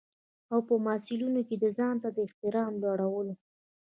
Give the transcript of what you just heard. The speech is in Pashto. او په محصلینو کې د ځانته د احترام لوړولو.